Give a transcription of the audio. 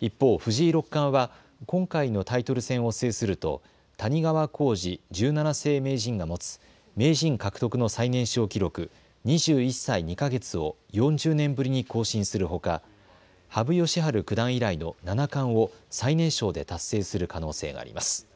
一方、藤井六冠は今回のタイトル戦を制すると谷川浩司十七世名人が持つ名人獲得の最年少記録２１歳２か月を４０年ぶりに更新するほか羽生善治九段以来の七冠を最年少で達成する可能性があります。